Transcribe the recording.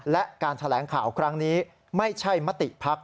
และการแถลงข่าวครั้งนี้ไม่ใช่มติภักดิ